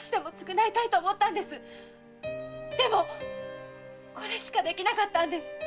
でもこれしかできなかったんです！